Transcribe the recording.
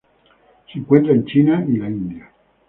Se encuentra en China y la India.